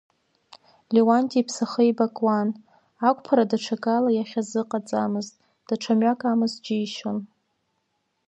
Леуанти иԥсахы еибакуан, ақәԥара даҽакала иахьазыҟаҵамыз, даҽа мҩак амаз џьишьон.